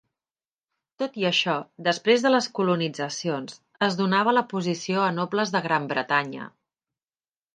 Tot i això, després de les colonitzacions, es donava la posició a nobles de Gran Bretanya.